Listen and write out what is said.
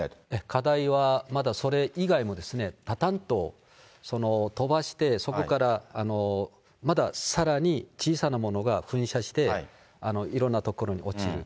課題はまだそれ以外も多弾頭飛ばして、そこからまたさらに小さなものが噴射して、いろんな所に落ちる。